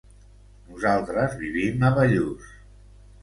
Nosaltres vivim a Bellús.